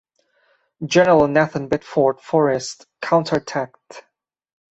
General Nathan Bedford Forrest counterattacked.